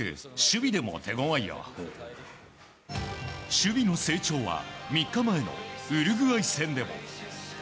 守備の成長は３日前のウルグアイ戦でも。